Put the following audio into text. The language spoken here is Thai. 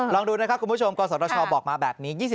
ลองดูนะครับคุณผู้ชมกศชบอกมาแบบนี้